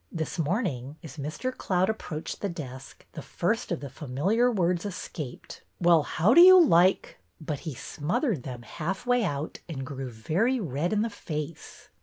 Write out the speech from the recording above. This morning, as Mr. Cloud approached the desk, the first of the familiar words escaped, — "Well, how do you like —" but he smothered 21 8 BETTY BAIRD'S VENTURES them half way out and grew very red in the face.